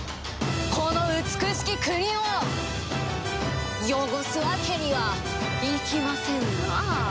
この美しき国を汚すわけにはいきませんなあ。